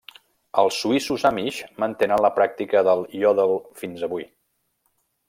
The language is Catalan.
Els suïssos Amish mantenen la pràctica del iòdel fins avui.